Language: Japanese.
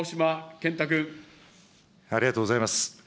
ありがとうございます。